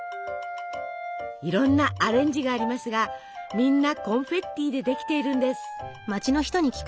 いろんなアレンジがありますがみんなコンフェッティでできているんです！